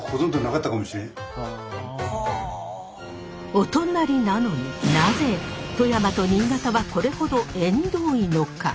お隣なのになぜ富山と新潟はこれほど縁遠いのか？